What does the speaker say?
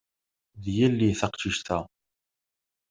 D yelli teqcict-a.